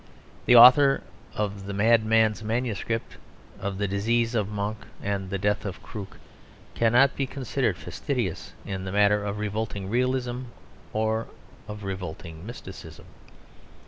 The author of the Madman's Manuscript, of the disease of Monk and the death of Krook, cannot be considered fastidious in the matter of revolting realism or of revolting mysticism.